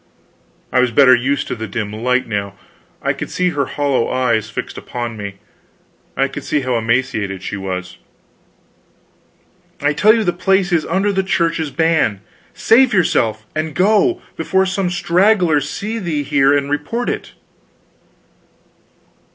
I was better used to the dim light now. I could see her hollow eyes fixed upon me. I could see how emaciated she was. "I tell you the place is under the Church's ban. Save yourself and go, before some straggler see thee here, and report it."